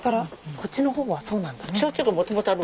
こっちのほうはそうなんだね。